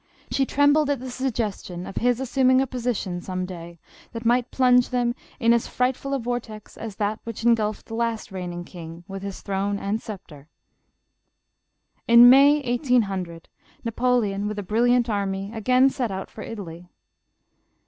She trembled at the suggestion of his assuming a position, some day, that might plunge them in as frightful a vortex as that which engulphed the last reigning king, with his throne and sceptre. In May, 1800, Napoleon with a brilliant army, again set out for Italy.